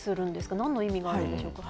なんの意味があるんでしょうか。